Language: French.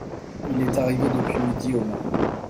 Il est arrivé depuis midi au moins.